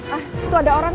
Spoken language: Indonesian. ah itu ada orang